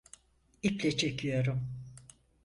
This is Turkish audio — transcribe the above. İple çekiyorum.